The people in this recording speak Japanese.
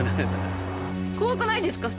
怖くないですか？